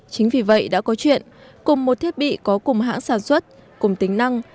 chính vì vậy đã có chuyện cùng một thiết bị có cùng hãng sản xuất cùng tính năng